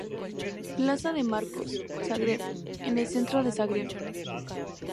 Plaza de Marcos, Zagreb, en el centro de Zagreb.